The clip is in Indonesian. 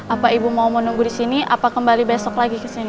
apa ibu mau menunggu di sini apa kembali besok lagi kesini